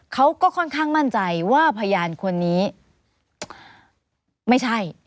เขาก็ค่อนข้างมั่นใจว่าพยานคนนี้ไม่ใช่